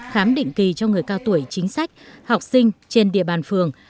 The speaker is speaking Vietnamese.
khám định kỳ cho người cao tuổi chính sách học sinh trên địa bàn phường